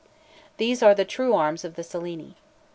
These are the true arms of the Cellini.